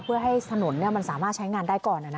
เพื่อให้ถนนมันสามารถใช้งานได้ก่อน